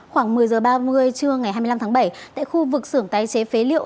khoảng một mươi h ba mươi trưa ngày hai mươi năm tháng bảy tại khu vực xưởng tái chế phế liệu